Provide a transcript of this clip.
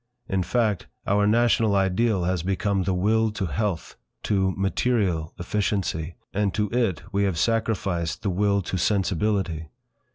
In fact, our national ideal has become the Will to Health, to Material Efficiency, and to it we have sacrificed the Will to Sensibility.